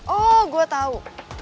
oh gue tau